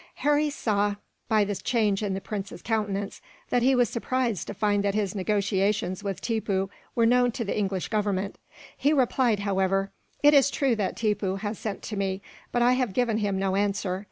Harry saw, by the change in the prince's countenance, that he was surprised to find that his negotiations with Tippoo were known to the English Government. He replied, however: "It is true that Tippoo has sent to me, but I have given him no answer.